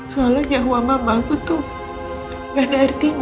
soalnya nyawa mamaku tuh gak ada artinya